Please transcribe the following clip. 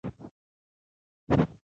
یوه وړه خبره هم ورته د سپکاوي په مانا وي.